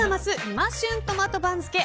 今旬トマト番付。